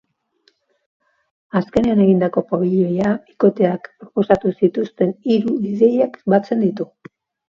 Azkenean egindako pabiloia bikoteak proposatu zituzten hiru ideiak batzen ditu.